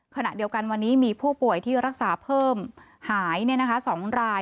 ขณะเดียวกันวันนี้มีผู้ป่วยที่รักษาเพิ่มหาย๒ราย